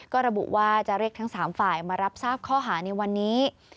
ก็ระบุว่าจะเรียกทั้ง๓ฝ่ายมารับทราบข้อหาในวันนี้